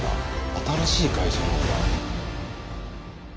新しい会社なんだ。